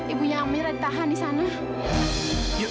ibunya amir ada di kantor polisi